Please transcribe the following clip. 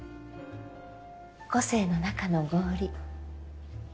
個性の中の合理。